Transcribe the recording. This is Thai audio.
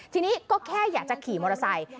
ทีนี้ก็แค่อยากจะขี่มอเตอร์ไซค์